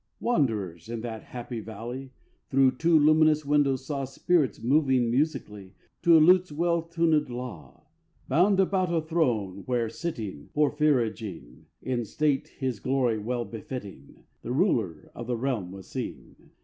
Wanderers in that happy valley, Through two luminous windows, saw Spirits moving musically, To a lute's well tunëd law, Bound about a throne where, sitting (Porphyrogene!) In state his glory well befitting, The ruler of the realm was seen.